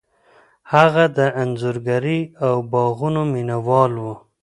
هغه د انځورګرۍ او باغونو مینه وال و.